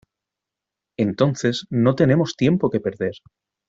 Entonces no tenemos tiempo que perder.